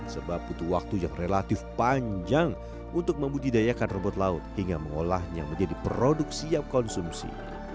sebab butuh waktu yang relatif panjang untuk membudidayakan robot laut hingga mengolahnya menjadi produk siap konsumsi